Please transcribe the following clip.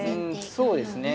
そうですね。